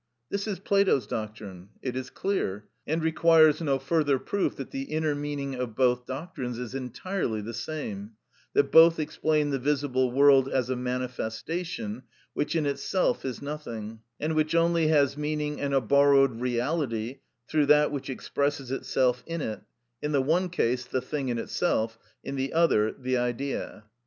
This is Plato's doctrine. It is clear, and requires no further proof that the inner meaning of both doctrines is entirely the same; that both explain the visible world as a manifestation, which in itself is nothing, and which only has meaning and a borrowed reality through that which expresses itself in it (in the one case the thing in itself, in the other the Idea).